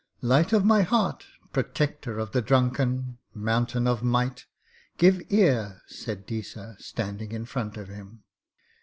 'Light of my heart, Protector of the Drunken, Mountain of Might, give ear,' said Deesa, standing in front of him.